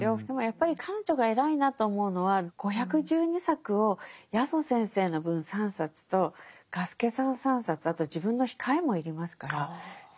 でもやっぱり彼女が偉いなと思うのは５１２作を八十先生の分３冊と雅輔さん３冊あと自分の控えも要りますから。